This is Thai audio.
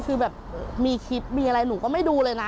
คือแบบมีคลิปมีอะไรหนูก็ไม่ดูเลยนะ